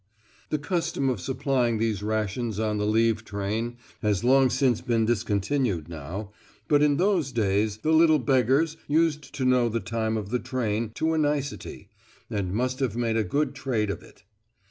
The custom of supplying these rations on the leave train has long since been discontinued now, but in those days the little beggars used to know the time of the train to a nicety, and must have made a good trade of it.